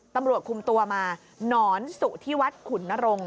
ตำรวจคุมตัวมาหนอนสู่ที่วัดขุนนรงค์